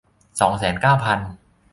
สองแสนเก้าพัน